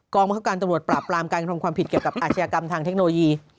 บังคับการตำรวจปราบปรามการกระทำความผิดเกี่ยวกับอาชญากรรมทางเทคโนโลยี